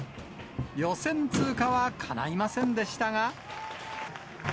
予選通過はかないませんでしたが。